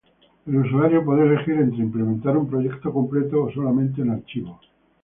El usuario puede elegir entre implementar un proyecto completo o solamente un archivo.